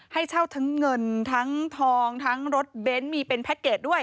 ให้เช่าทั้งเงินทั้งทองทั้งรถเบนท์มีเป็นแพ็คเกจด้วย